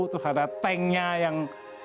terus ada tanknya yang